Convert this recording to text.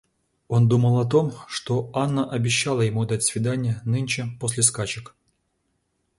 Он думал о том, что Анна обещала ему дать свиданье нынче после скачек.